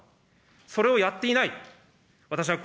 それをやっていない。